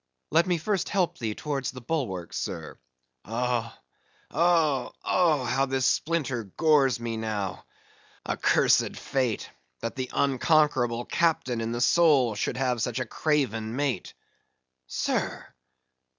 "Let me first help thee towards the bulwarks, sir." "Oh, oh, oh! how this splinter gores me now! Accursed fate! that the unconquerable captain in the soul should have such a craven mate!" "Sir?"